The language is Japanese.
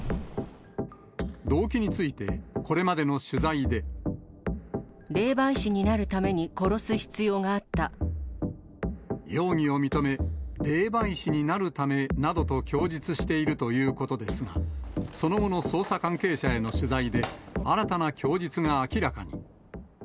動機について、霊媒師になるために殺す必要容疑を認め、霊媒師になるためなどと供述しているということですが、その後の捜査関係者への取材で、新たな供述が明らかに。